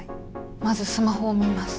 まずスマホを見ます。